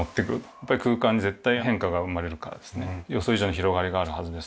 やっぱり空間に絶対変化が生まれるからですね予想以上に広がりがあるはずですと。